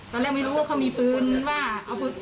ตอนแรกไม่รู้ว่าเขามีปืนว่า